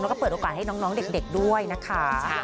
แล้วก็เปิดโอกาสให้น้องเด็กด้วยนะคะ